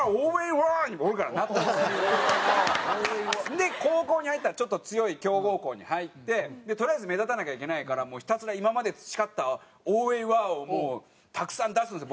で高校に入ったらちょっと強い強豪校に入ってとりあえず目立たなきゃいけないからもうひたすら今まで培ったオーウェイワァをもうたくさん出すんですよ。